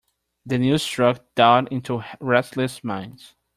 The news struck doubt into restless minds.